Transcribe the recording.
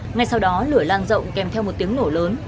ngay sau đó lửa lan rộng kèm theo một tiếng nổ lớn